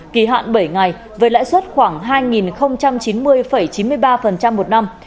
kỳ hạn bảy ngày với lãi suất khoảng hai chín mươi chín mươi ba một năm